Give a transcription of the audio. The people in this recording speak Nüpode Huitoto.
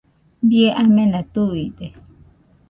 Bie amena tuide